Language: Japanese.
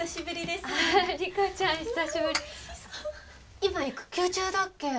今育休中だっけ？